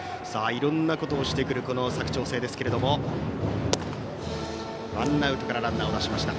いろんなことをしてくる佐久長聖ですがワンアウトからランナーを出しました。